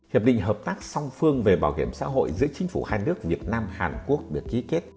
hiệp định hợp tác song phương về bảo hiểm xã hội giữa chính phủ hai nước việt nam hàn quốc được ký kết